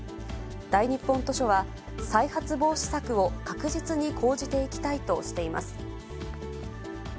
大日本図書は、再発防止策を確実に講じていきたいとしています。